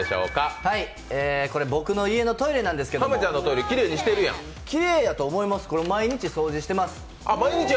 これ僕の家のトイレなんですけどきれいやと思います、毎日掃除しています。